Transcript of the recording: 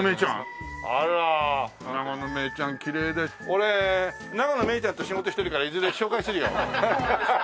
俺永野芽郁ちゃんと仕事してるからいずれ紹介するよ。